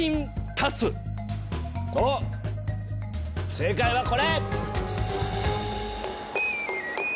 正解はこれ！